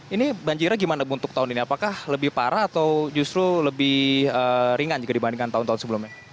ini banjirnya gimana bu untuk tahun ini apakah lebih parah atau justru lebih ringan jika dibandingkan tahun tahun sebelumnya